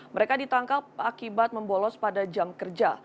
mereka ditangkap akibat membolos pada jam kerja